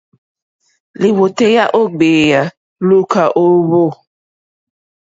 Lìwòtéyá ó gbèyà lùúkà ó hwò.